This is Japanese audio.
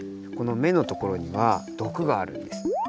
このめのところにはどくがあるんです。